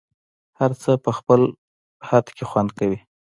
هر څه په خپل خد کي خوند کوي